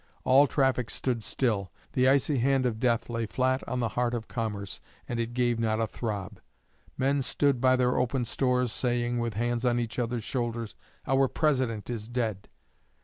All traffic stood still; the icy hand of death lay flat on the heart of commerce, and it gave not a throb. Men stood by their open stores saying, with hands on each other's shoulders, 'Our President is dead.'